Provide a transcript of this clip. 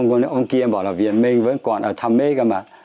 cái ông kia bảo là viên minh vẫn còn ở thảm mê cơ mà